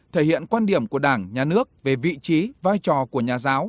thể hiện quan điểm của đảng nhà nước về vị trí vai trò của nhà giáo